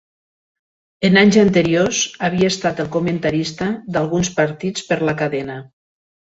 En anys anteriors, havia estat el comentarista d'alguns partits per la cadena.